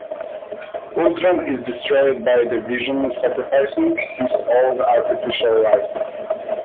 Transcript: Ultron is destroyed by the Vision, sacrificing his own artificial life.